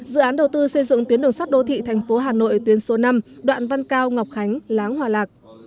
dự án đầu tư xây dựng tuyến đường sắt đô thị thành phố hà nội tuyến số năm đoạn văn cao ngọc khánh láng hòa lạc